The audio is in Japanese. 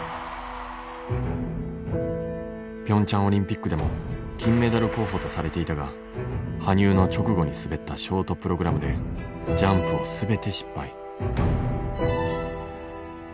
ピョンチャンオリンピックでも金メダル候補とされていたが羽生の直後に滑ったショートプログラムでジャンプを全て失敗。